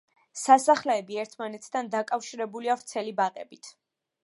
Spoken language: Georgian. სასახლეები ერთმანეთთან დაკავშირებულია ვრცელი ბაღებით.